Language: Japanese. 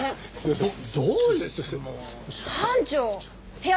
部屋